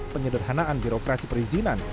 penyederhanaan birokrasi perizinan